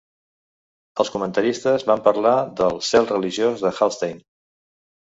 Els comentaristes van parlar del "cel religiós" de Hallstein.